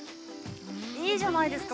いいじゃないですか